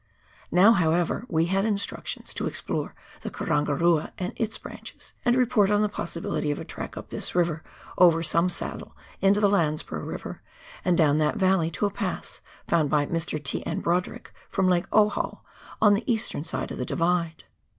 Now, however, we had instructions to explore the Karangarua and its branches, and report on the possibiKty of a track up this river over some saddle into the Landsborough River, and down that valley to a pass found bj' Mr. T. N. Brodrick from Lake Ohau on the eastern side of the Divide.